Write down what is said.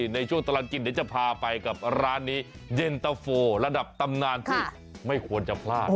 ในช่วงตลอดกินเดี๋ยวจะพาไปกับร้านนี้เย็นตะโฟระดับตำนานที่ไม่ควรจะพลาด